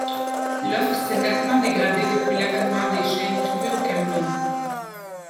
L'offre s'est nettement dégradée depuis l'avènement des chaines privées au Cameroun.